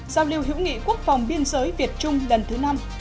giao lưu hữu nghị quốc phòng biên giới việt trung lần thứ năm